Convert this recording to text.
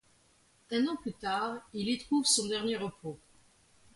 Un an plus tard, il y trouve son dernier repos.